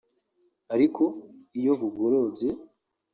Ariko iyo bugorobye